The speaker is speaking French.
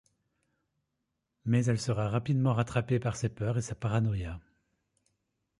Mais elle sera rapidement rattrapée par ses peurs et sa paranoïa…